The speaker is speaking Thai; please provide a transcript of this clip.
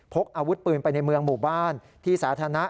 พกอาวุธปืนไปในเมืองหมู่บ้านที่สาธารณะ